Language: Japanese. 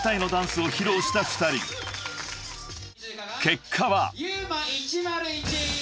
［結果は］